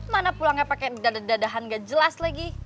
mana pulangnya pakai dadah dadahan gak jelas lagi